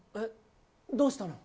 どうしたの？